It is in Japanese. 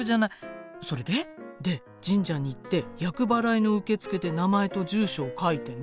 それで？で神社に行って厄払いの受付で名前と住所を書いてね。